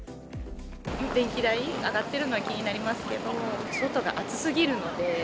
電気代、上がってるのは気になりますけど、外が暑すぎるので。